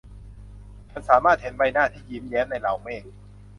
ฉันสามารถเห็นใบหน้าที่ยิ้มแย้มในเหล่าเมฆ